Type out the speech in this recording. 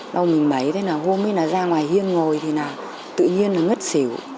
đau mình mấy thế là hôm ấy là ra ngoài hiên ngồi thì là tự nhiên là ngất xìu